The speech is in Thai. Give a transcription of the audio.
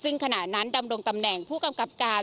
ซึ่งขณะนั้นดำรงตำแหน่งผู้กำกับการ